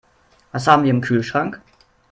Was haben wir im Kühlschrank?